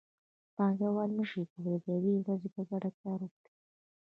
پانګوال نشي کولی د یوې ورځې په ګټه کار وکړي